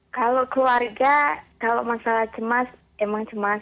kalau keluarga kalau masalah cemas emang cemas